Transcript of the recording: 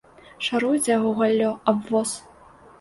Шаруецца яго галлё аб воз.